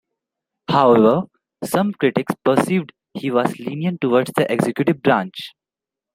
However, some critics perceived he was lenient towards the executive branch.